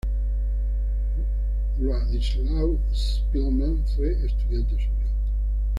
Władysław Szpilman fue estudiante suyo.